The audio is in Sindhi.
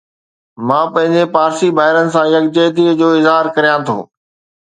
مان پنهنجي پارسي ڀائرن سان يڪجهتي جو اظهار ڪريان ٿو